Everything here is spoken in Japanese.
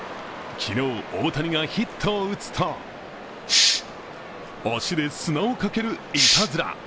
昨日、大谷がヒットを打つと足で砂をかけるいたずら。